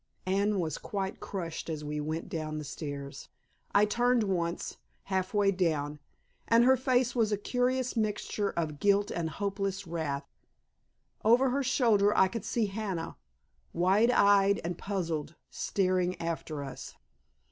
Anne was quite crushed as we went down the stairs. I turned once, half way down, and her face was a curious mixture of guilt and hopeless wrath. Over her shoulder, I could see Hannah, wide eyed and puzzled, staring after us.